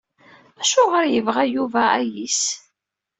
Acuɣer i yebɣa Yuba ayis?